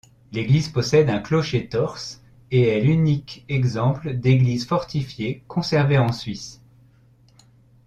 L'église possède un clocher tors et est l'unique exemple d'église fortifiée conservé en Suisse.